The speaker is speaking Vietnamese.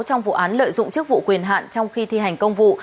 trong vụ án lợi dụng chức vụ quyền hạn trong khi thi hành công vụ